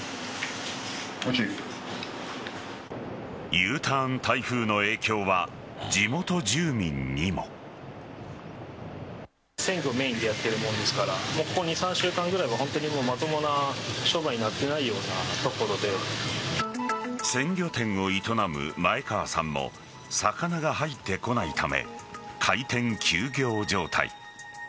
Ｕターン台風の影響は地元住民にも鮮魚店を営む前川さんも魚が入ってこないため開店休業状態。